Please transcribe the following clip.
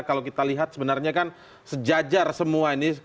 kalau kita lihat sebenarnya kan sejajar semua ini